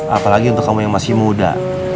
apalagi untuk kamu yang masih muda